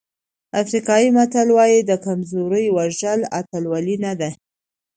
افریقایي متل وایي د کمزوري وژل اتلولي نه ده.